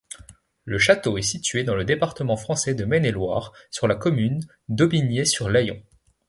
Le château est situé dans le département français de Maine-et-Loire, sur la commune d'Aubigné-sur-Layon.